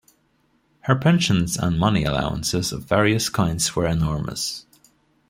Her pensions and money allowances of various kinds were enormous.